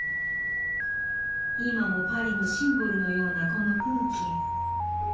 今もパリのシンボルのようなこの風景。